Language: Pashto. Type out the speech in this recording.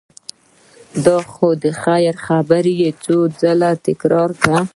دا د خیر خبره یې څو ځل تکرار کړه.